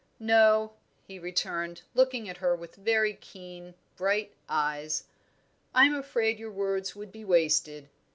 "No," he returned, looking at her with very keen, bright eyes. "I am afraid your words would be wasted.